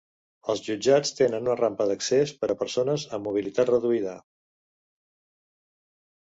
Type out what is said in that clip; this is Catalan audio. Els jutjats tenen una rampa d'accés per a persones amb mobilitat reduïda.